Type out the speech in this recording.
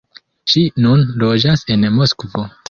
Ŝi nun loĝas en Moskvo.